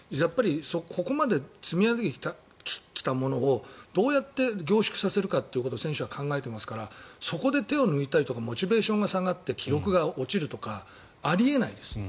ここまで積み上げてきたものをどうやって凝縮させるかっていうことを選手は考えていますからそこで手を抜いたりとかモチベーションが下がって記録が落ちるとかあり得ないです。